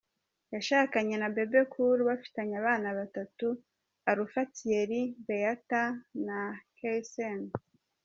Yashakanye na Bebe Cool, bafitanye abana batatu Alpha Thierry, Beata na Caysan.